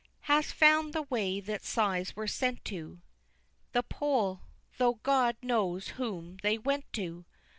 IV. Hast found the way that sighs were sent to The Pole tho' God knows whom they went to!